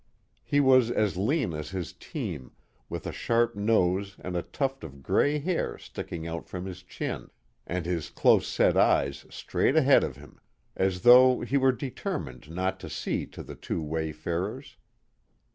He was as lean as his team, with a sharp nose and a tuft of gray hair sticking out from his chin, and his close set eyes straight ahead of him, as though he were determined not to see to the two wayfarers.